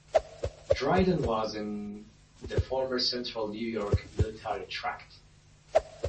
Dryden was in the former Central New York Military Tract.